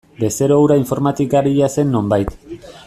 Bezero hura informatikaria zen nonbait.